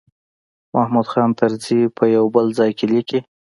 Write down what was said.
محمود خان طرزي په یو بل ځای کې لیکلي.